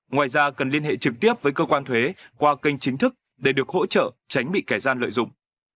ngoài ra cần liên hệ trực tiếp với cơ quan thuế qua kênh chính thức để được hỗ trợ tránh bị kẻ gian lợi dụng